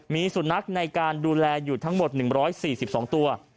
มีสุนัขในการดูแลอยู่ทั้งหมด๑๔๒ตัว